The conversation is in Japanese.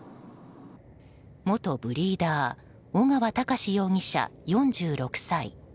元ブリーダー尾川隆容疑者、４６歳。